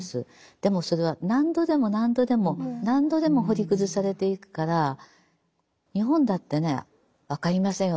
でもそれは何度でも何度でも何度でも掘り崩されていくから日本だってね分かりませんよ